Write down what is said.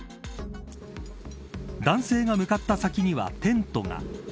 男性が向かった先にはテントが。